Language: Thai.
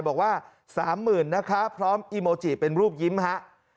บอกว่า๓๐๐๐นะคะพร้อมอีโมจิเป็นรูปยิ้มฮะ